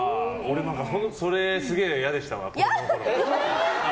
それすげえ嫌でしたわ子供のころ。